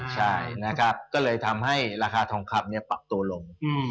ใช่นะครับก็เลยทำให้ราคาทองคำปรับตัวลง